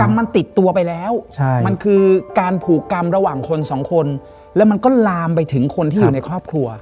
มันติดตัวไปแล้วใช่มันคือการผูกกรรมระหว่างคนสองคนแล้วมันก็ลามไปถึงคนที่อยู่ในครอบครัว